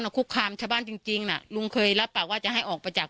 คุกคามชาวบ้านจริงจริงน่ะลุงเคยรับปากว่าจะให้ออกไปจาก